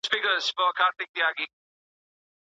قاتل ته له بښنې پرته بله ښه لار نسته.